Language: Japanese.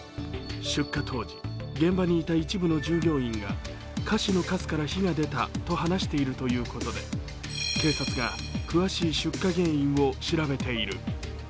出火当時、現場にいた一部の従業員が菓子のかすから火が出たと話しており、警察が詳しい出火原因を調べている。